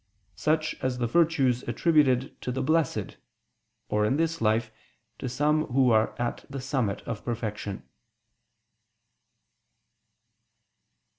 Such as the virtues attributed to the Blessed, or, in this life, to some who are at the summit of perfection.